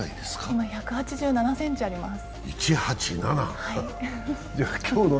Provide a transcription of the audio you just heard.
今、１８７ｃｍあります。